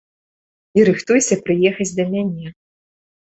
І рыхтуйся прыехаць да мяне.